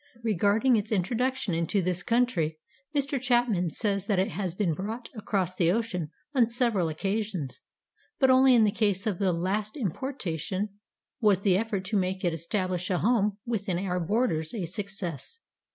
Regarding its introduction into this country, Mr. Chapman says that it has been brought across the ocean on several occasions, but only in the case of the last importation was the effort to make it establish a home within our borders a success.